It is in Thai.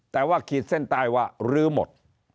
แต่ว่าคิดเส้นตายว่าลื้อหมด